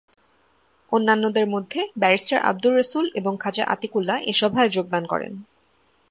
অন্যান্যদের মধ্যে ব্যারিস্টার আবদুর রসুল এবং খাজা আতিকুল্লাহ এ সভায় যোগদান করেন।